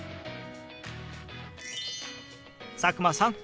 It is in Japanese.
佐久間さん